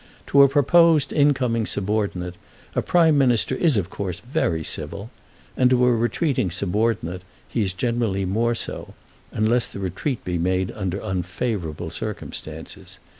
To a proposed incoming subordinate a Prime Minister is, of course, very civil, and to a retreating subordinate he is generally more so, unless the retreat be made under unfavourable circumstances.